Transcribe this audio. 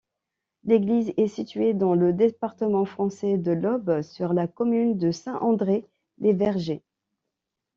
L'église est située dans le département français de l'Aube, sur la commune de Saint-André-les-Vergers.